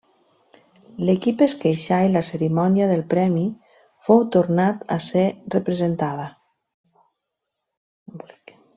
L'equip es queixà, i la cerimònia del premi fou tornat a ser representada.